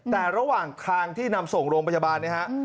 แต่ระหว่างทางที่นำส่งโรงพยาบาลเนี่ยฮะ